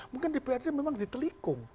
mungkin dprd memang ditelikung